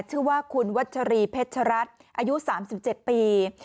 ชื่อว่าคุณวัชรีเพชรัตน์อายุ๓๗ปี